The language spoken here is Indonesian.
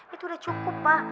itu udah cukup ma